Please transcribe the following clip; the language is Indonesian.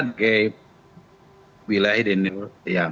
di wilayah di indonesia